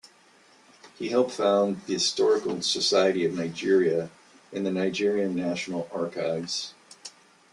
He helped found the Historical Society of Nigeria and the Nigerian National Archives.